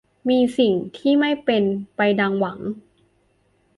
มีสิ่งที่ไม่เป็นไปดังหวัง